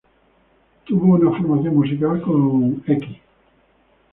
Tuvo una formación musical con Mr.